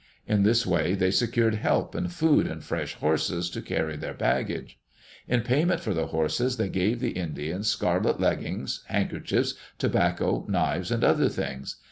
In this way they secured help and food and fresh horses to carry their baggage. In payment for the horses they gave the Indians scarlet leggins, handkerchiefs, tobacco, knives, and other things.